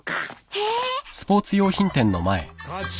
えっ！